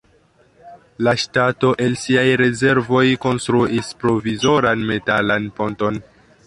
La ŝtato el siaj rezervoj konstruis provizoran metalan ponton.